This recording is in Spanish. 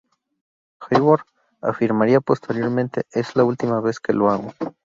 Hayward afirmaría posteriormente: "es la última vez que lo hago".